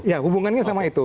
ya hubungannya sama itu